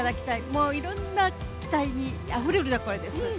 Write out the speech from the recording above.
もういろんな期待にあふれるところです。